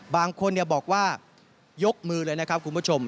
บางคนบอกว่ายกมือเลยนะครับคุณผู้ชม